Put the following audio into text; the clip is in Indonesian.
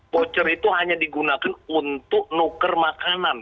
voucher itu hanya digunakan untuk nuker makanan